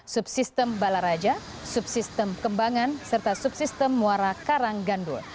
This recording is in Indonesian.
subsistem balaraja subsistem kembangan serta subsistem muara karang gandul